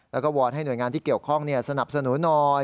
แล้วก็วอนให้หน่วยงานที่เกี่ยวข้องสนับสนุนหน่อย